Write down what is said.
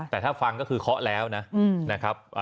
แต่ถ้าฟังก็คือเคาะแล้วนะครับ